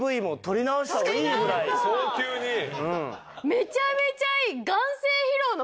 めちゃめちゃいい！